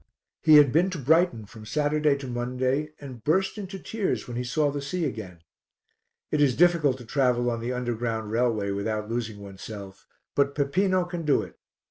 He had been to Brighton from Saturday to Monday and burst into tears when he saw the sea again. It is difficult to travel on the Underground Railway without losing oneself, but Peppino can do it.